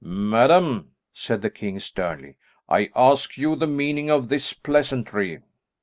"Madam," said the king sternly, "I ask you the meaning of this pleasantry?"